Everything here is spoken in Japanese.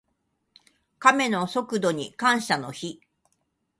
カメの速度に感謝の日。